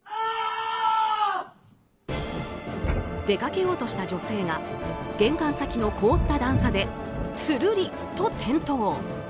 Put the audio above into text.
出かけようとした女性が玄関先の凍った段差でつるりと転倒。